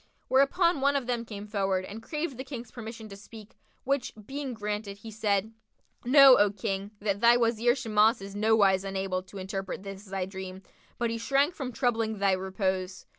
Whereupon one of them came forward and craved the King's permission to speak, which being granted, he said, "Know, O King, that thy Wazir Shimas is nowise unable to interpret this thy dream; but he shrank from troubling thy repose.